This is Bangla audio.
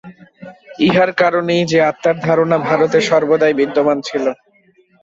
ইহার কারণ এই যে, আত্মার ধারণা ভারতে সর্বদাই বিদ্যমান ছিল।